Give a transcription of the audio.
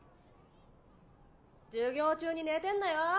授業中に寝てんなよ。